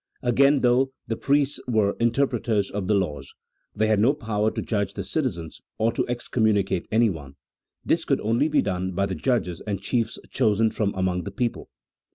Again, though the priests were the interpreters of the laws, they had no power to judge the citizens, or to excom municate anyone: this could only be done by the judges and chiefs chosen from among the people.